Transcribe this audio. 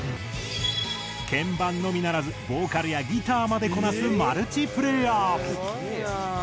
鍵盤のみならずボーカルやギターまでこなすマルチプレイヤー！